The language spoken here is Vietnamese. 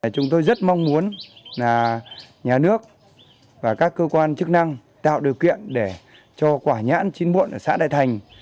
chúng tôi rất mong muốn nhà nước và các cơ quan chức năng tạo điều kiện để cho quả nhãn chín muộn ở xã đại thành